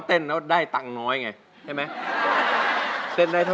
แล้วน้องใบบัวร้องได้หรือว่าร้องผิดครับ